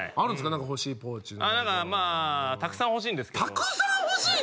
何か欲しいポーチまあたくさん欲しいんですけどたくさん欲しい！？